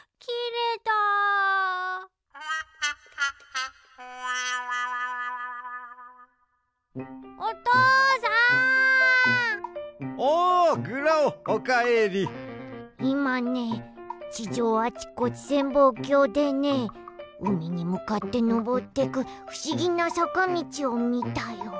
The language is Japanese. いまね地上あちこち潜望鏡でねうみにむかってのぼってくふしぎなさかみちをみたよ。